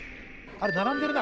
あれ並んでる